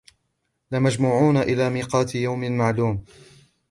لَمَجْمُوعُونَ إِلَى مِيقَاتِ يَوْمٍ مَعْلُومٍ